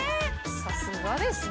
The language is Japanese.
さすがですね。